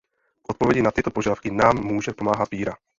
K odpovědi na tyto požadavky nám může pomáhat víra.